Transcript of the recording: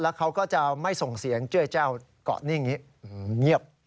แล้วเขาก็จะไม่ส่งเสียงเจ้าเจ้ากะนิ่งนี้